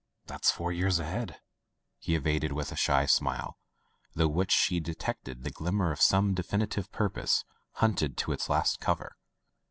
"That's four years ahead/* he evaded with a shy smile, through which she de tected the glimmer of some definite purpose hunted to its last cover.